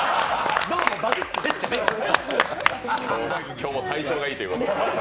今日も体調がいいということで。